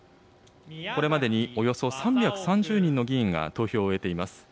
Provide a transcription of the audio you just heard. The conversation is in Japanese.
これまでにおよそ３３０人の議員が投票を終えています。